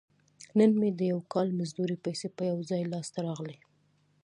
نن مې د یو کال مزدورۍ پیسې په یو ځای لاس ته راغلي.